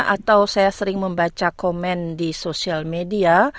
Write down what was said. atau saya sering membaca komen di sosial media